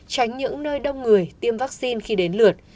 tránh những nơi đông người tiêm vaccine khi đến lượt